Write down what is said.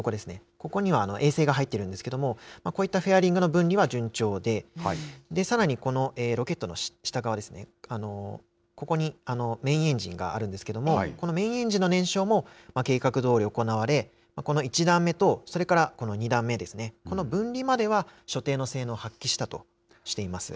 ここには衛星が入っているんですけども、こういったフェアリングの分離は順調で、さらにこのロケットの下側ですね、ここにメインエンジンがあるんですけれども、このメインエンジンの燃焼も計画どおり行われ、この１段目と、それからこの２段目ですね、この分離までは所定の性能を発揮したとしています。